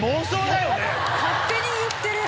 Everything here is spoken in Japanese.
勝手に言ってる。